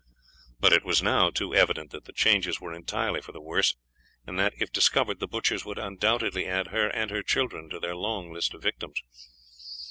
But it was now too evident that the changes were entirely for the worse, and that if discovered the butchers would undoubtedly add her and her children to their long list of victims.